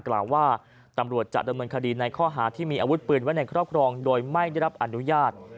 กล่าวว่าตำรวจจะดำเนินคดีในข้อหาที่มีอาวุธปืนไว้ในครอบครองโดยไม่ได้รับอนุญาต